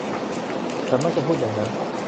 ฉันมักจะพูดอย่างนั้น